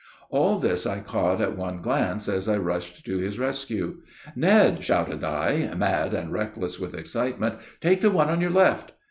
All this I caught at one glance, as I rushed to his rescue. "Ned!" shouted I, mad and reckless with excitement, "take the one on your left!"